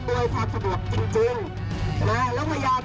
แต่ท่านบอกว่าท่านมาดูแลความเรียบร้อย